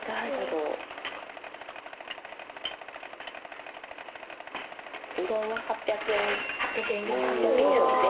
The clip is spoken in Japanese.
うどんは８００円８００円に消費税？